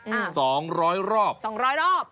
อ้าวสองร้อยรอบสองร้อยรอบสองร้อยรอบ